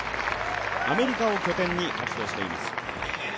アメリカを拠点に活動しています。